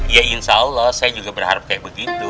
ya insya allah saya juga berharap kayak begitu